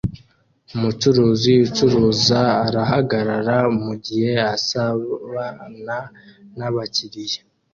Umucuruzi ucuruza arahagarara mugihe asabana nabakiriya